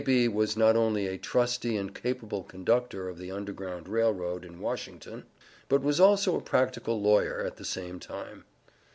B." was not only a trusty and capable conductor of the Underground Rail Road in Washington, but was also a practical lawyer, at the same time.